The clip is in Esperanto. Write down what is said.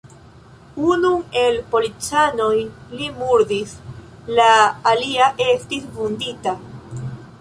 Unun el policanoj li murdis, la alia estis vundita.